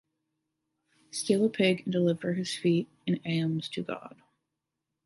Steal a pig and deliver his feet in alms to god.